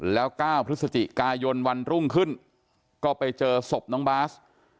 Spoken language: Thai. แล้ว๙พฤศจิกายนวันรุ่งขึ้นก็ไปเจอศพน้องบาส